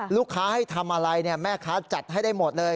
ลูกค้าให้ทำอะไรแม่ค้าจัดให้ได้หมดเลย